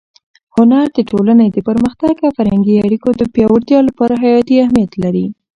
هنر د ټولنې د پرمختګ او فرهنګي اړیکو د پیاوړتیا لپاره حیاتي اهمیت لري.